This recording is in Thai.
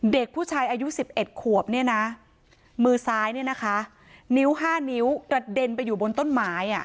เด็กผู้ชายอายุ๑๑ขวบเนี่ยนะมือซ้ายเนี่ยนะคะนิ้ว๕นิ้วกระเด็นไปอยู่บนต้นไม้